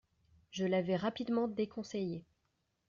Je l’avais rapidement déconseillé.